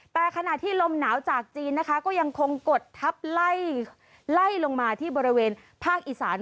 แต่ขณะที่ลมหนาวจากจีนนะคะก็ยังคงกดทับไล่ลงมาที่บริเวณภาคอีสาน